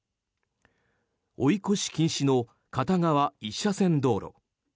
追い越し禁止の片側１車線道路。